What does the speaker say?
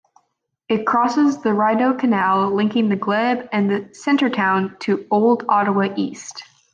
It crosses the Rideau Canal linking the Glebe and Centretown to Old Ottawa East.